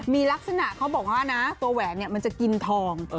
มีลักษณะเขาบอกว่านะตัวแหวนมันจะกินทอง